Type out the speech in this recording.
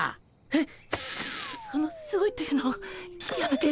うそのすごいというのやめて。